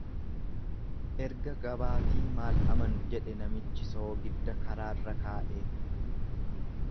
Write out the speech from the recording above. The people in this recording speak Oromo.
Erga gabaatii maal amanu jedhe namichi soogidda karaarra kaa'ee.